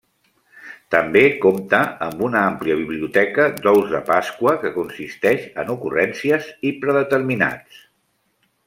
També compta amb una àmplia biblioteca d'ous de pasqua, que consisteix en ocurrències i predeterminats.